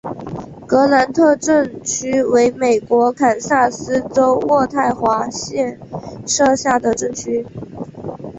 格兰特镇区为美国堪萨斯州渥太华县辖下的镇区。